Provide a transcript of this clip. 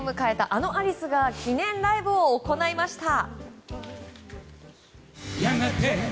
あのアリスが記念ライブを行いました。